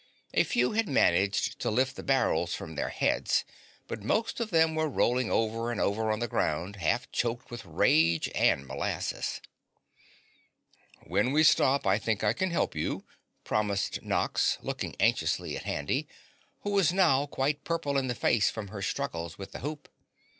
A few had managed to lift the barrels from their heads, but most of them were rolling over and over on the ground, half choked with rage and molasses. "When we stop I think I can help you," promised Nox, looking anxiously at Handy, who was now quite purple in the face from her struggles with the hoop.